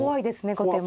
後手も。